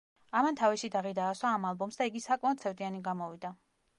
ამან თავისი დაღი დაასვა ამ ალბომს და იგი საკმაოდ სევდიანი გამოვიდა.